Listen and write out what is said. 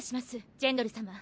ジェンドル様。